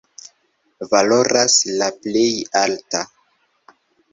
Valoras la plej alta.